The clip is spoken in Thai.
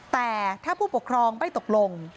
แต่ถ้าผู้ปกครองไม่ตกลง